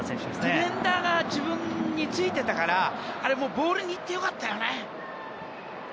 ディフェンダーが自分についていたからあれ、ボールに行って良かったね。